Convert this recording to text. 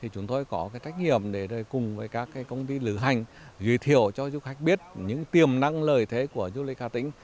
chúng tôi có trách nhiệm để cùng với các công ty lựa hành giới thiệu cho du khách biết những tiềm năng lời thề của du lịch hà tĩnh